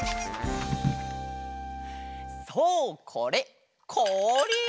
そうこれこおり！